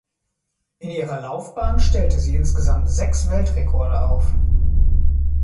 In ihrer Laufbahn stellte sie insgesamt sechs Weltrekorde auf.